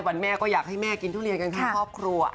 ว่าอยากให้แม่กินทุเรียนกันครับครอบครัว